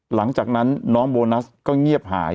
หลังจากนั้นน้องโบนัสก็เงียบหาย